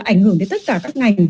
là ảnh hưởng đến tất cả các ngành